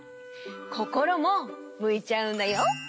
こころもむいちゃうんだよ。